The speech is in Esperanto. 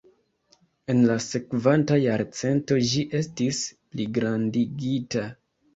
En la sekvanta jarcento ĝi estis pligrandigita.